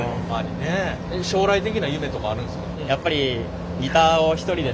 将来的な夢とかあるんですか？